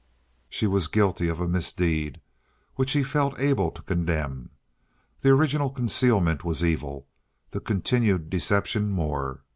She was guilty of a misdeed which he felt able to condemn. The original concealment was evil; the continued deception more.